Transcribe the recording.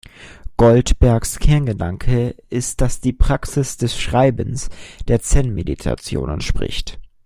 Goldbergs Kerngedanke ist, dass die Praxis des Schreibens der Zen-Meditation entspricht.